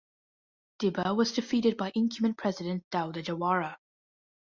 Dibba was defeated by incumbent President Dawda Jawara.